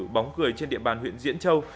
bóng cười trên địa bàn huyện diễn châu